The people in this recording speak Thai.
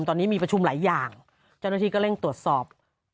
ตอนนี้มีประชุมหลายอย่างเจ้าหน้าที่ก็เร่งตรวจสอบ